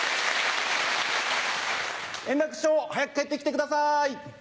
円楽師匠早く帰って来てください。